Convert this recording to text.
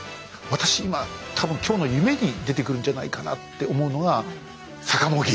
私今多分今日の夢に出てくるんじゃないかなって思うのがさかも木。